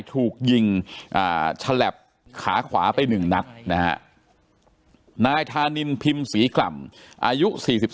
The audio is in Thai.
ถูกยิงฉลับขาขวาไป๑นัดนะฮะนายธานินพิมพ์ศรีกล่ำอายุ๔๓